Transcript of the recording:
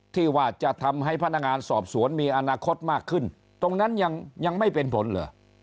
ที่จะทำให้พนักงานสอบสวนมีอนาคตมากขึ้นตรงนั้นยังยังไม่เป็นผลเหรอ